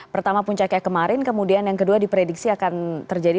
pertama puncaknya kemarin kemudian yang kedua diprediksi akan terjadi